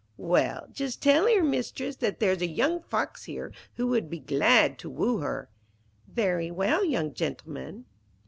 'Well, just tell her, Mistress, that there's a young Fox here, who would be glad to woo her.' 'Very well, young gentleman.'